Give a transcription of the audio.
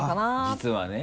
実はね。